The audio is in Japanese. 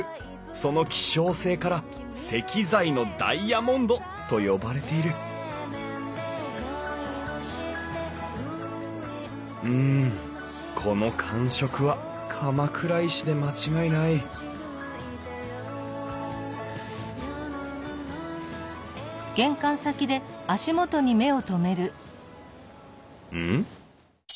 その希少性から「石材のダイヤモンド」と呼ばれているうんこの感触は鎌倉石で間違いないうん？